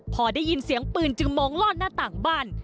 พอได้ยินเสียงปืนจึงมองลอดหน้าต่างบ้าน